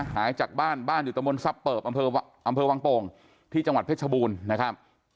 หายจากบ้านบ้านอยู่ตะมนต์ทรัพย์เปิบอำเภอวังโป่งที่จังหวัดเพชรบูรณ์นะครับ